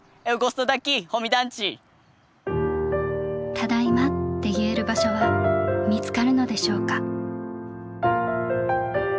「ただいま」って言える場所は見つかるのでしょうか。